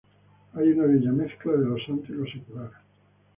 Hay una bella mezcla de lo santo y lo secular.